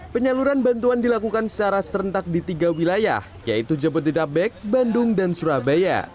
penyaluran bantuan dilakukan secara serentak di tiga wilayah yaitu jabodetabek bandung dan surabaya